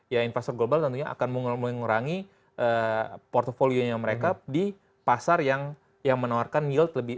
ya investor global akan mengurangi portofolionya mereka di pasar yang menawarkan yield lebih